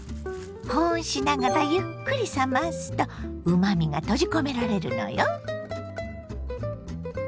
保温しながらゆっくり冷ますとうまみが閉じ込められるのよ。